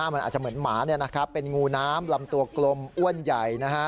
มันอาจจะเหมือนหมาเนี่ยนะครับเป็นงูน้ำลำตัวกลมอ้วนใหญ่นะฮะ